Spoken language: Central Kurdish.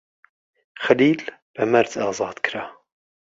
خەلیل بە مەرج ئازاد کرا.